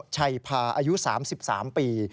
ชัยพาอายุ๓๓ปี